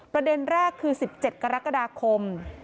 ประเด็นแรกคือ๑๗กรกฎาคม